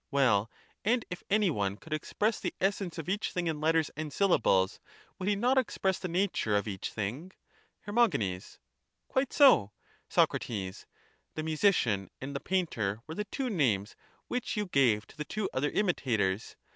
Well, and if any one could express the essence of each thing in letters and syllables, would he not express the nattu e of each thing? Her. Quite so. Soc. The musician and the painter were the two names which you gave to the two other imitators.